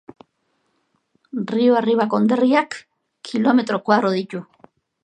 Rio Arriba konderriak kilometro koadro ditu.